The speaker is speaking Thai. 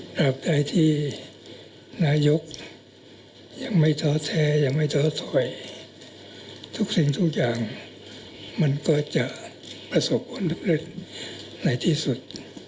ใดที่นายกยังไม่ท้อแท้ยังไม่ท้อถอยทุกสิ่งทุกอย่างมันก็จะประสบผลสำเร็จในที่สุด